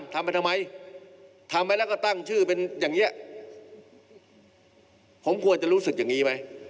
ถ้าตั้งชื่อเป็นอย่างนี้ผมควรจะรู้สึกอย่างนี้ไหม